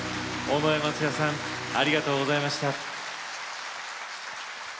尾上松也さんありがとうございました。